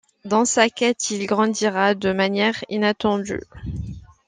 Dans sa quête, il grandira de manière inattendue.